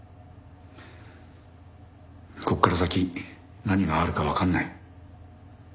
ここから先何があるかわかんない。